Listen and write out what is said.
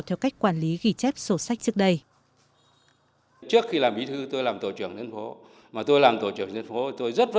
theo cách quản lý ghi chép sổ sách trước đây